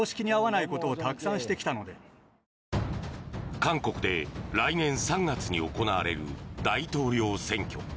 韓国で来年３月に行われる大統領選挙。